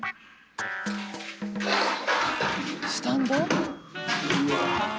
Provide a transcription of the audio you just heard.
スタンド？